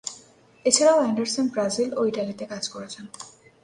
এছাড়াও Anderson Brazil ও ইতালিতে কাজ করেছেন।